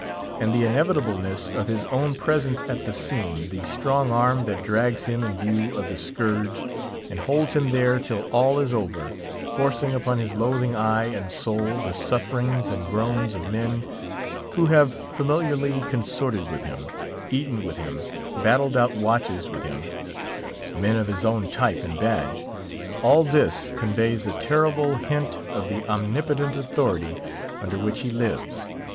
And the inevitableness of his own presence at the scene; the strong arm that drags him in view of the scourge, and holds him there till all is over; forcing upon his loathing eye and soul the sufferings and groans of men who have familiarly consorted with him, eaten with him, battled out watches with him—men of his own type and badge—all this conveys a terrible hint of the omnipotent authority under which he lives.